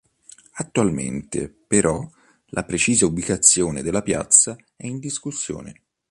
Attualmente, però, la precisa ubicazione della piazza è in discussione.